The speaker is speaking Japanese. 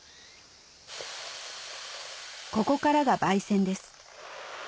ここからが焙煎です